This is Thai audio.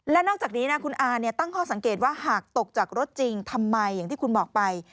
และนอกจากนี้นะคุณอาตั้งข้อสังเกตว่าหากตกจากรถจริงทำไมอย่างที่คุณบอกไป